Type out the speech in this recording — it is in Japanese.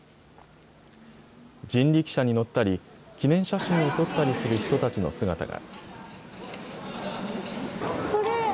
人力車に乗ったり記念写真を撮ったりする人たちの姿が。